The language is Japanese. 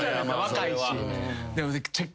若いし。